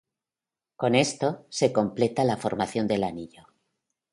Con esto, se completa la formación del anillo.